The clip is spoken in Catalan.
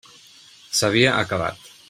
S'havia acabat.